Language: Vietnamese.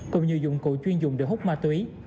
cùng nhiều dụng cụ chuyên dùng để hút ma túy